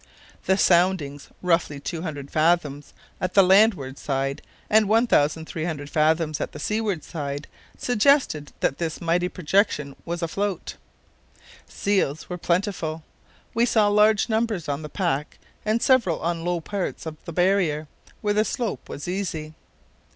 The soundings—roughly, 200 fathoms at the landward side and 1300 fathoms at the seaward side—suggested that this mighty projection was afloat. Seals were plentiful. We saw large numbers on the pack and several on low parts of the barrier, where the slope was easy.